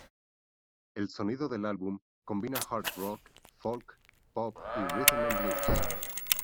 El sonido del álbum combina hard rock, folk, pop y rhythm and blues.